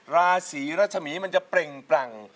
ราศีรัชมีมันจะเปล่งปลั่ง